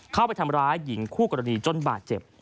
เข้าไปทำร้ายหญิงคู่กรณีจนบาดเจ็บ